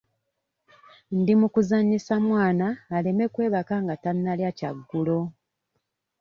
Ndi mu kuzannyisa mwana aleme kwebaka nga tannalya kyaggulo.